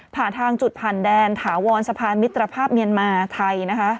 ผ่านทางจุดผ่านแดนถาวรสะพานมิตรภาพเมียนมาไทยนะคะ